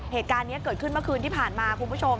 เหตุการณ์นี้เกิดขึ้นเมื่อคืนที่ผ่านมาคุณผู้ชม